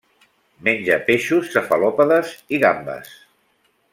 Menja peixos, cefalòpodes i gambes.